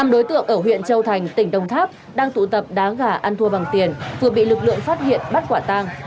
năm đối tượng ở huyện châu thành tỉnh đồng tháp đang tụ tập đá gà ăn thua bằng tiền vừa bị lực lượng phát hiện bắt quả tang